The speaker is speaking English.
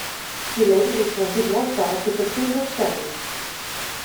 He later returned to Warsaw to pursue his studies.